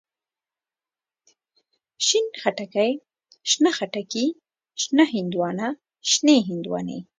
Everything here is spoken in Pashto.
شين خټکی، شنه خټکي، شنه هندواڼه، شنې هندواڼی.